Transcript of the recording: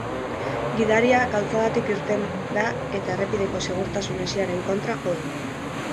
Gidaria galtzadatik irten da eta errepideko segurtasun hesiaren kontra jo du.